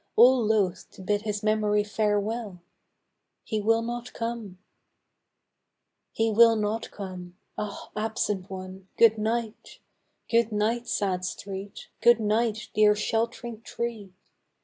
All loth to bid his memory farewell, He will not come ! He will not come ! ah ! absent one, good night ! Good night, sad street, good night, dear sheltering tree!